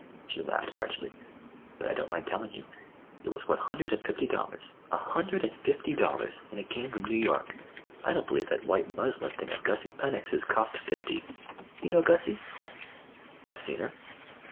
she laughed archly. "But I don't mind telling you. It was one hundred and fifty dollars, a hundred and fifty dollars, and it came from New York. I don't believe that white muslin thing of Gussie Pennock's cost fifty! You know Gussie?" "I've seen her."